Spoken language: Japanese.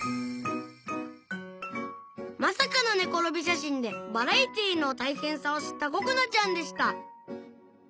まさかの寝転び写真でバラエティーの大変さを知ったここなちゃんでした